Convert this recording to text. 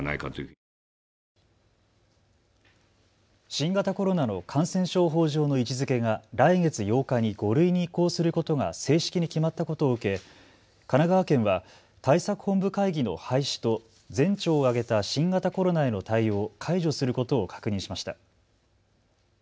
新型コロナの感染症法上の位置づけが来月８日に５類に移行することが正式に決まったことを受け、神奈川県は対策本部会議の廃止と全庁を挙げた新型コロナへの対応を解除することを確認しました。